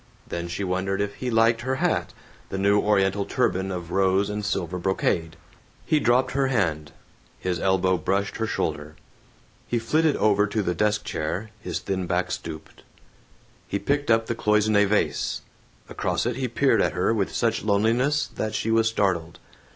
Then she wondered if he liked her hat, the new Oriental turban of rose and silver brocade. He dropped her hand. His elbow brushed her shoulder. He flitted over to the desk chair, his thin back stooped. He picked up the cloisonne vase. Across it he peered at her with such loneliness that she was startled.